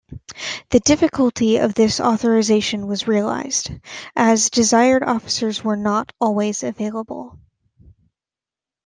The difficulty of this authorisation was realised, as desired officers were not always available.